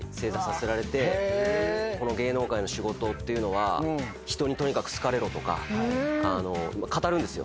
芸能界の仕事っていうのは人にとにかく好かれろとか語るんですよ。